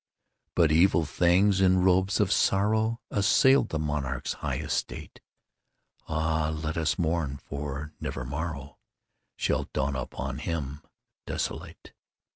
V. But evil things, in robes of sorrow, Assailed the monarch's high estate; (Ah, let us mourn, for never morrow Shall dawn upon him, desolate!)